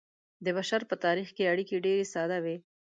د بشر په تاریخ کې اړیکې ډیرې ساده وې.